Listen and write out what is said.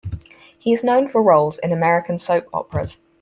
He is known for roles in American soap operas.